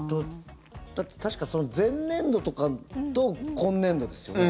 だって確か前年度とかと今年度ですよね。